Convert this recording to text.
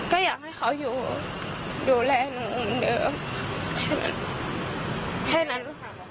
ก็อยากให้เขาอยู่ดูแลหนูเหมือนเดิม